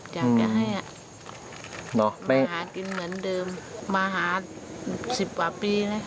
จะเก็บค่ะมันหากินเหมือนเดิมหาทั้งสิบหวัดปี